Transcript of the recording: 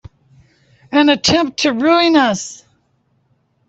An attempt to ruin us!